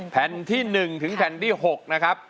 แผ่นที่๑ถึงแผ่นที่๖นะครับ